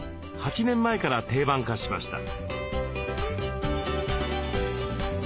８年前から定番化しました。